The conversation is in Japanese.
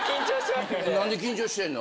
何で緊張してんの？